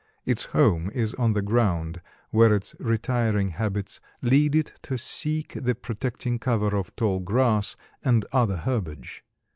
Its home is on the ground, where its retiring habits lead it to seek the protecting cover of tall grass and other herbage.